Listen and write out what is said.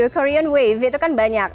korean wave itu kan banyak